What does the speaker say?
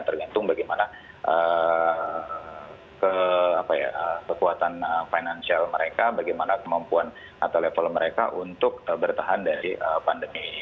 tergantung bagaimana kekuatan finansial mereka bagaimana kemampuan atau level mereka untuk bertahan dari pandemi ini